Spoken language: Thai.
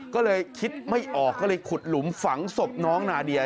ก็เลยคิดไม่ออกก็เลยขุดหลุมฝังศพน้องนาเดีย